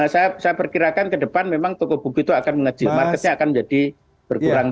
saya saya perkirakan kedepan memang tokoh buku itu akan mengecil marketnya akan menjadi berkurang